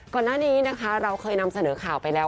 ก่อนหน้านี้นะคะเราเคยนำเสนอข่าวไปแล้ว